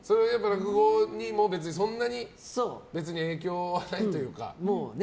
落語にも別にそんなに影響はないというか。